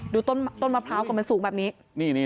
ดูต้นมะพร้าวก่อนมันสูงแบบนี้